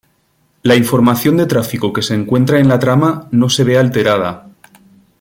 La información de tráfico que se encuentra en la trama no se ve alterada.